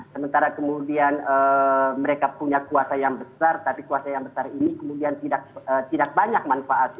sementara kemudian mereka punya kuasa yang besar tapi kuasa yang besar ini kemudian tidak banyak manfaatnya